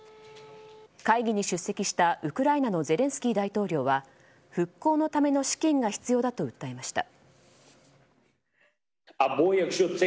会議に出席したウクライナのゼレンスキー大統領は復興のための資金が必要だと訴えました。